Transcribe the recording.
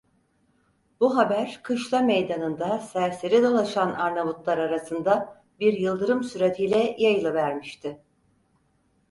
Bu haber, kışla meydanında serseri dolaşan Arnavutlar arasında bir yıldırım süratiyle yayılıvermişti.